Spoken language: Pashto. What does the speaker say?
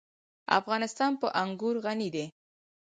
افغانستان په انګور غني دی.